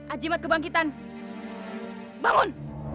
ajimat kebangkitan bangun